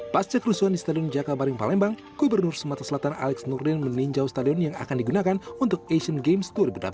pasca kerusuhan di stadion jakabaring palembang gubernur sumatera selatan alex nurdin meninjau stadion yang akan digunakan untuk asian games dua ribu delapan belas